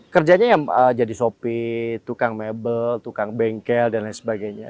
kerjanya yang jadi sopir tukang mebel tukang bengkel dan lain sebagainya